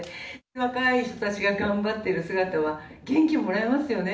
若い人たちが頑張ってる姿は元気もらえますよね。